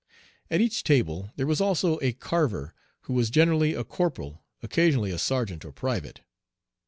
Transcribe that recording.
At each table there was also a carver, who was generally a corporal, occasionally a sergeant or private.